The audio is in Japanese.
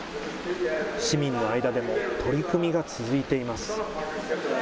市民の間でも取り組みが続いています。